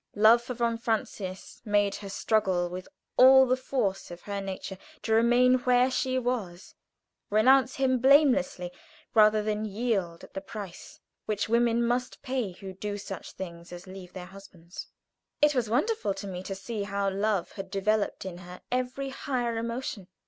Love for von Francius made her struggle with all the force of her nature to remain where she was, renounce him blamelessly rather than yield at the price which women must pay who do such things as leave their husbands. It was wonderful to me to see how love had developed in her every higher emotion.